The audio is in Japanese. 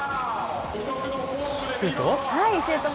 シュートは？